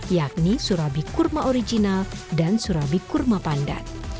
yakni surabi kurma original dan surabi kurma pandan